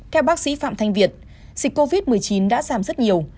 theo bác sĩ phạm thanh việt dịch covid một mươi chín đã giảm rất nhiều